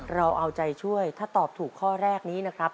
เราเอาใจช่วยถ้าตอบถูกข้อแรกนี้นะครับ